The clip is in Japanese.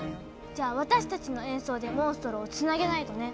じゃあ私たちの演奏でモンストロをつなげないとね。